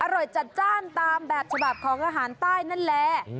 จัดจ้านตามแบบฉบับของอาหารใต้นั่นแหละ